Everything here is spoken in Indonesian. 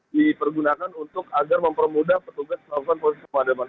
dipergunakan untuk agar mempermudah petugas melakukan proses pemadaman